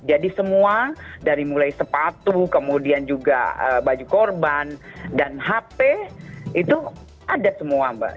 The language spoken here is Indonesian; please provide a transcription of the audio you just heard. jadi semua dari mulai sepatu kemudian juga baju korban dan hp itu ada semua mbak